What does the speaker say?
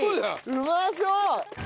うまそう！